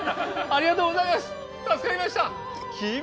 ありがとうございます！